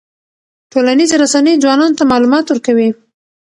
ټولنیزې رسنۍ ځوانانو ته معلومات ورکوي.